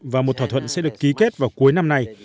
và một thỏa thuận sẽ được ký kết vào cuối năm nay